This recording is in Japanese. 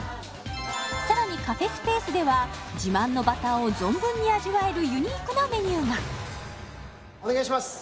さらにカフェスペースでは自慢のバターを存分に味わえるユニークなメニューがお願いします